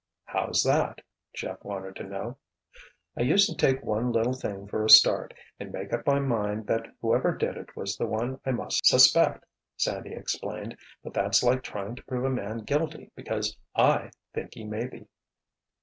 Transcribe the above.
"How's that?" Jeff wanted to know. "I used to take one little thing for a start, and make up my mind that whoever did it was the one I must suspect," Sandy explained. "But that's like trying to prove a man guilty because I think he may be."